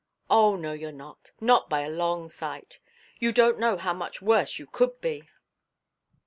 "Oh, no, you're not. Not by a long sight. You don't know how much worse you could be.